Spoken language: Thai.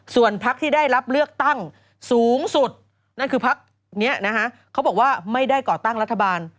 ส่วนพักที่ได้รับเลือกตั้งสูงสุดนั่นคือพักนี้นะฮะเขาบอกว่าไม่ได้ก่อตั้งรัฐบาล